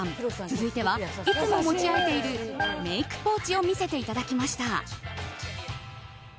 続いてはいつも持ち歩いているメイクポーチを見せていただきました。